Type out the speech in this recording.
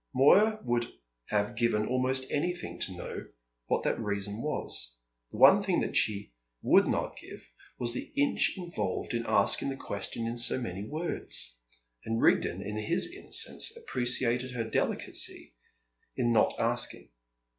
Moya would have given almost anything to know what that reason was; the one thing that she would not give was the inch involved in asking the question in so many words. And Rigden in his innocence appreciated her delicacy in not asking.